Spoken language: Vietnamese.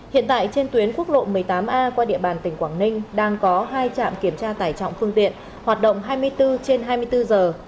hiện tại trên tuyến quốc lộ một mươi tám a qua địa bàn tỉnh quảng ninh đang có hai trạm kiểm tra tải trọng phương tiện hoạt động hai mươi bốn trên hai mươi bốn giờ